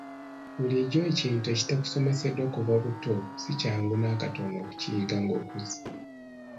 Bulijjo ekintu ekitakusomeseddwa kuva buto si kyangu n'akatono okukiyiga ng'okuze.